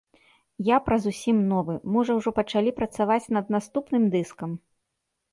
Я пра зусім новы, можа ўжо пачалі працаваць над наступным дыскам?